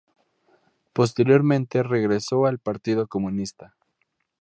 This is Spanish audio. Posteriormente regresó al Partido Comunista.